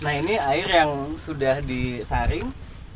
nah ini air yang sudah disaring